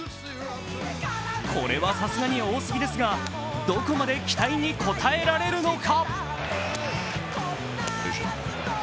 これはさすがに多過ぎですがどこまで期待に応えられるのか？